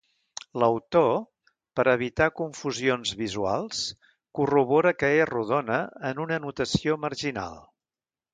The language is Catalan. L'autor, per evitar confusions visuals, corrobora que és rodona en una anotació marginal.